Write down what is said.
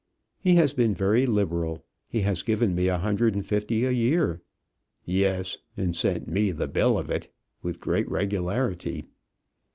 "He has been very liberal. He has given me a hundred and fifty a year " "Yes; and sent me the bill of it with great regularity."